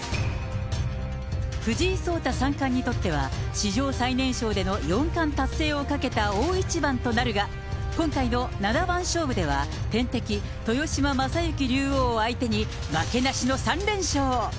藤井聡太三冠にとっては、史上最年少での四冠達成をかけた大一番となるが、今回の七番勝負では、天敵、豊島将之竜王を相手に、負けなしの３連勝。